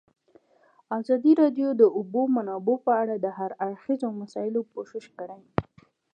ازادي راډیو د د اوبو منابع په اړه د هر اړخیزو مسایلو پوښښ کړی.